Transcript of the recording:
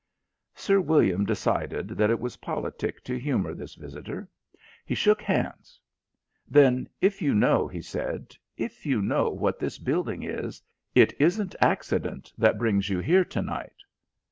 Sir William decided that it was politic to humour this visitor. He shook hands. "Then, if you know," he said, "if you know what this building is, it isn't accident that brings you here to night."